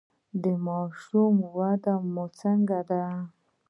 د ماشوم وده مو څنګه ده؟